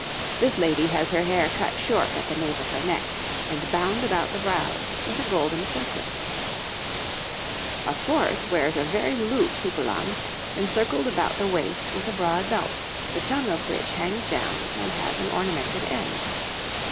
This lady has her hair cut short at the nape of her neck, and bound about the brows with a golden circlet. [Illustration: {Three women of the time of Henry IV.}] A fourth wears a very loose houppelande, encircled about the waist with a broad belt, the tongue of which hangs down and has an ornamented end.